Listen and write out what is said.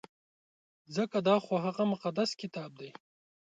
ځکه دا خو هغه مقدس کتاب دی.